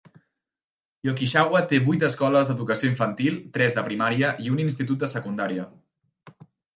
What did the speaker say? Yoshikawa té vuit escoles d'educació infantil, tres de primària i un institut de secundària.